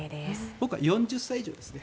僕は４０歳以上ですね。